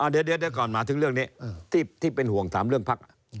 เดี๋ยวก่อนหมายถึงเรื่องนี้ที่เป็นห่วงถามเรื่องพัก